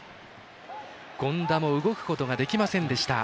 権田も動くことができませんでした。